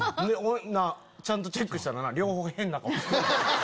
ちゃんとチェックしたら両方変な顔してた。